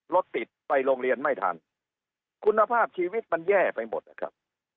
รถติดไปโรงเรียนไม่ทันคุณภาพชีวิตมันแย่ไปหมดนะครับ